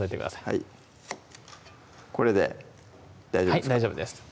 はいこれで大丈夫ですか？